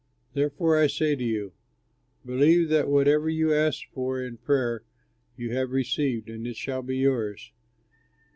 Therefore, I say to you, believe that whatever you ask for in prayer you have received, and it shall be yours.